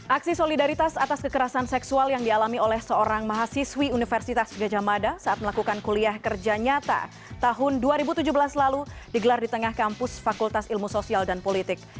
aksi solidaritas atas kekerasan seksual yang dialami oleh seorang mahasiswi universitas gajah mada saat melakukan kuliah kerja nyata tahun dua ribu tujuh belas lalu digelar di tengah kampus fakultas ilmu sosial dan politik